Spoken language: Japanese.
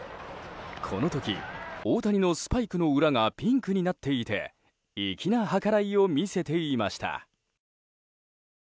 この時、大谷のスパイクの裏がピンクになっていて粋な計らいを見せていました。